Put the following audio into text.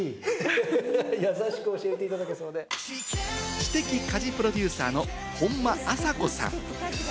知的家事プロデューサーの本間朝子さん。